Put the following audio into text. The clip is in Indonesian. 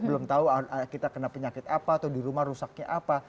belum tahu kita kena penyakit apa atau di rumah rusaknya apa